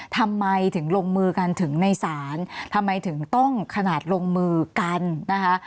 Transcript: ทำไมถึงลงมือกันถึงในศาลทำไมถึงต้องขนาดลงมือกันนะคะ